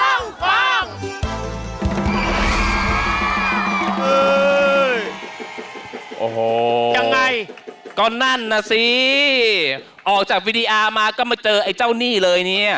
โอ้โหยังไงก็นั่นน่ะสิออกจากวิดีอาร์มาก็มาเจอไอ้เจ้าหนี้เลยเนี่ย